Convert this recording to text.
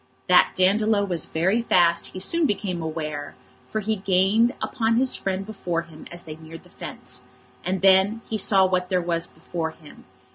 That Dandolo was very fast he soon became aware, for he gained upon his friend before him as they neared the fence. And then he saw what there was before him.